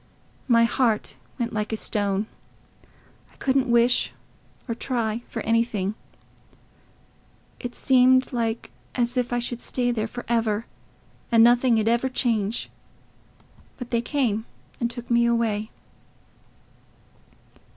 My heart went like a stone. I couldn't wish or try for anything; it seemed like as if I should stay there for ever, and nothing 'ud ever change. But they came and took me away."